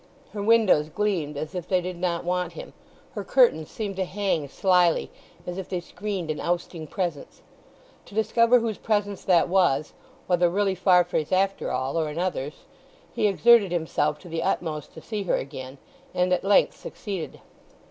Her windows gleamed as if they did not want him; her curtains seem to hang slily, as if they screened an ousting presence. To discover whose presence that was—whether really Farfrae's after all, or another's—he exerted himself to the utmost to see her again; and at length succeeded.